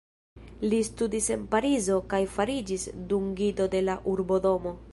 Li studis en Parizo kaj fariĝis dungito de la Urbodomo.